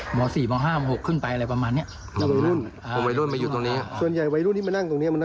หมอสี่หมอห้ามหกครึ่งไปอะไรประมาณเนี้ยส่วนใหญ่วัยรุ่นนี้มานั่งตรงเนี้ย